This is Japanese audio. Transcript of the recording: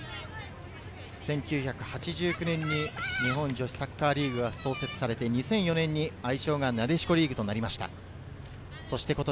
１９８９年に日本女子サッカーリーグが創設され２００４年に愛称がなでしこリーグとなりました。